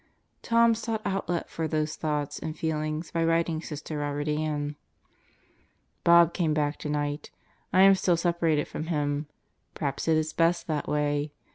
Tom sought outlet for those thoughts and feelings by writing Sister Robert Ann: Bob came back tonight. I am still separated from him. Perhaps it is best that way.